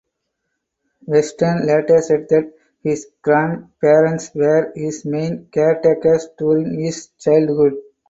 Weston later said that his grandparents were his main caretakers during his childhood.